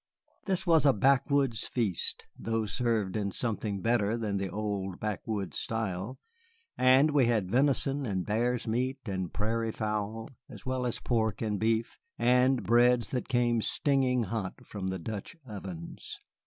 This was a backwoods feast, though served in something better than the old backwoods style, and we had venison and bear's meat and prairie fowl as well as pork and beef, and breads that came stinging hot from the Dutch ovens.